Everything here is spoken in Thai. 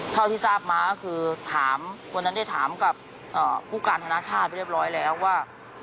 เท่าที่ทราบมาก็คือถามวันนั้นได้ถามกับผู้การธนชาติไปเรียบร้อยแล้วว่า